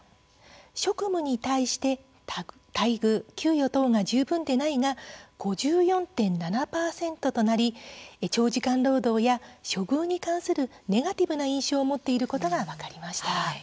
職務に対して待遇、給与などが十分でないが５４．７％となり長時間労働や処遇に関するネガティブな印象を持っていることが分かりました。